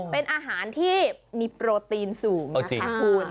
เป็นอาหารที่มีโปรตีนสูงนะคะคุณ